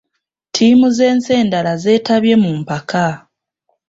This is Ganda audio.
Ttiimi z'ensi endala zeetabye mu mpaka.